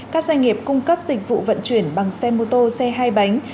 các doanh nghiệp cung cấp dịch vụ vận chuyển bằng xe mô tô xe hai bánh